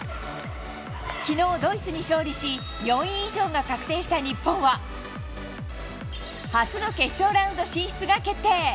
昨日、ドイツに勝利し４位以上が確定した日本は初の決勝ラウンド進出が決定！